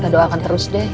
kita doakan terus deh